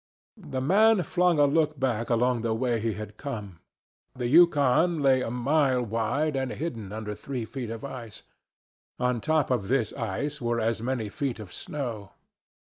The man flung a look back along the way he had come. The Yukon lay a mile wide and hidden under three feet of ice. On top of this ice were as many feet of snow.